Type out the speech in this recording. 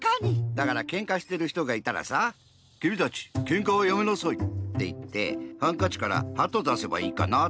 だからけんかしてるひとがいたらさ「きみたちけんかはやめなさい！」っていってハンカチからハトだせばいいかなぁって。